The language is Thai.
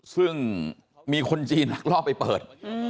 ซึ่งมีคนจีนลักลอบไปเปิด